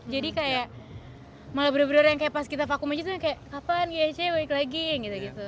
jadi kayak malah bener bener yang kayak pas kita vakum aja tuh kayak kapan gac balik lagi gitu